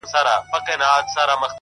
اوس مي د سپين قلم زهره چاودلې ـ